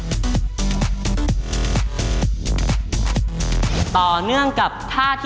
คือกลางมือต่อจากกลางมือ